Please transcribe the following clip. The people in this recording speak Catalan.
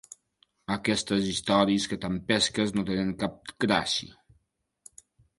Aquestes històries que t'empesques no tenen cap gràcia.